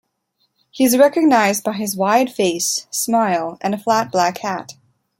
He is recognised by his wide face, smile, and a flat black hat.